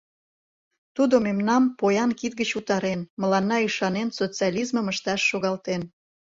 Тудо мемнам поян кид гыч утарен, мыланна ӱшанен, социализмым ышташ шогалтен...